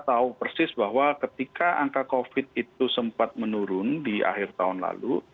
kita tahu persis bahwa ketika angka covid itu sempat menurun di akhir tahun lalu